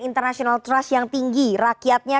international trust yang tinggi rakyatnya